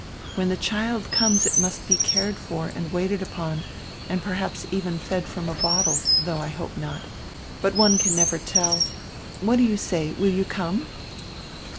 When the child conies it must be cared for and w r aited upon and perhaps even fed from a bottle, though I hope not. But one can never tell. What do you say? Will you come?"